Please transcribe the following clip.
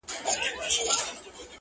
• خدای پیدا پر مخ د مځکي انسانان کړل -